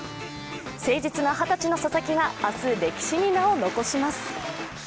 誠実な二十歳の佐々木が明日、歴史に名を残します。